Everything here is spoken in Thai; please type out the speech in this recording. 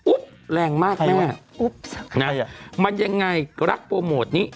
อุ๊บแรงมากแม่นะมันยังไงรักโปรโมทนี้